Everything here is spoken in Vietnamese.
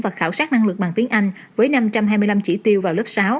và khảo sát năng lực bằng tiếng anh với năm trăm hai mươi năm chỉ tiêu vào lớp sáu